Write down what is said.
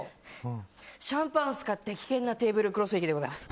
シャンパンを使って危険なテーブルクロス引きです。